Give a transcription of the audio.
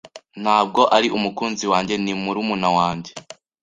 Ntabwo ari umukunzi wanjye. Ni murumuna wanjye.